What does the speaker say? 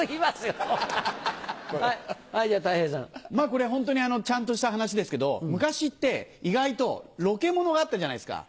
これホントにちゃんとした話ですけど昔って意外とロケものがあったじゃないですか。